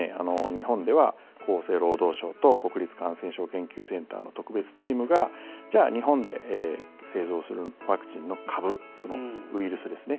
日本では厚生労働省と国立感染症研究センターの特別チームがじゃあ日本で製造するワクチンの株、ウイルスですね